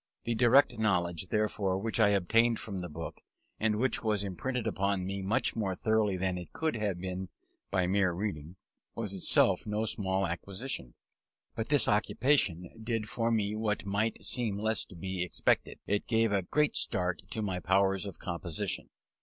The direct knowledge, therefore, which I obtained from the book, and which was imprinted upon me much more thoroughly than it could have been by mere reading, was itself no small acquisition. But this occupation did for me what might seem less to be expected; it gave a great start to my powers of composition.